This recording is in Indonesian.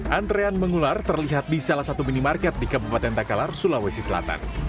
antrean mengular terlihat di salah satu minimarket di kabupaten takalar sulawesi selatan